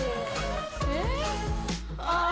えっ。